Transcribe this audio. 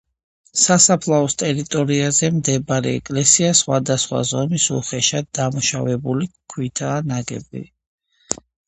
სასაფლაოს ტერიტორიაზე მდებარე ეკლესია სხვადასხვა ზომის უხეშად დამუშავებული ქვითაა ნაგები.